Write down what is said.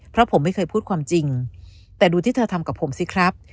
เพราะผมไม่เคยพูดความจริงแต่ดูที่เธอทำกับผมสิครับ